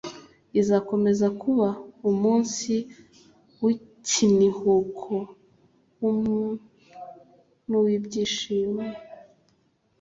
izakomeza kuba umunsi w'ikinihuko n'uw'ibyishimo.